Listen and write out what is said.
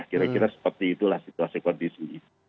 kira kira seperti itulah situasi kondisi ini